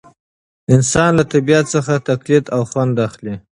انسان له طبیعت څخه تقلید او خوند اخلي.